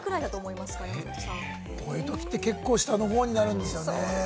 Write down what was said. こういうときって結構下になるんですよね。